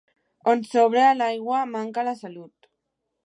On sobra l'aigua manca la salut.